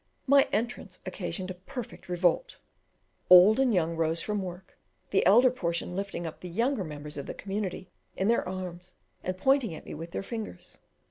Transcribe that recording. My entrance occasioned a perfect revolt. Old and young rose from work, the elder portion lifting up the younger members of the community in their arms and pointing at me with their fingers.